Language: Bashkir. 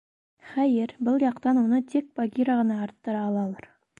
Хәйер, был яҡтан уны тик Багира ғына арттыра алалыр.